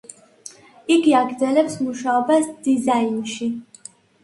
იგი აგრძელებს მუშაობას დიზაინში.